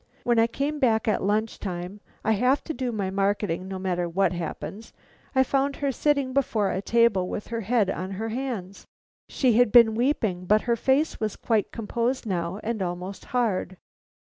When I came back at lunch time I have to do my marketing no matter what happens I found her sitting before a table with her head on her hands. She had been weeping, but her face was quite composed now and almost hard.